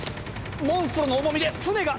モンストロの重みで船が！